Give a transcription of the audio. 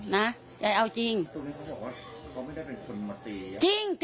นะยัอกิ่ง